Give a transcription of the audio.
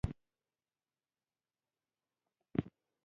میلیونونه خلک کډوال شول.